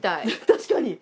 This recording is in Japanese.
確かに！